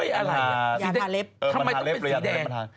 เออมาทาเล็บเลยอย่างนั้น